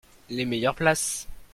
Les meilleures places.